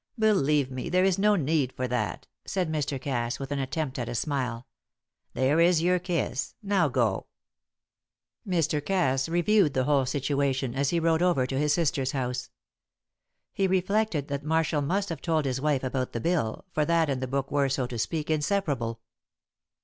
"Believe me, there is no need for that," said Mr. Cass, with an attempt at a smile. "There is your kiss, now go." Mr. Cass reviewed the whole situation as he rode over to his sister's house. He reflected that Marshall must have told his wife about the bill, for that and the book were, so to speak, inseparable.